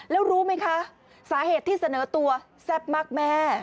แล้วรู้ไหมคะสาเหตุที่เสนอตัวแซ่บมากแม่